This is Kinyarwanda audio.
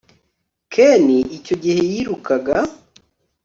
ken icyo gihe yirukaga